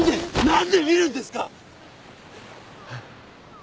何で見るんですか！？